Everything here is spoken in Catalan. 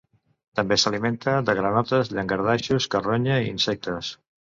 També s'alimenta de granotes, llangardaixos, carronya i insectes.